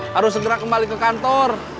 harus segera kembali ke kantor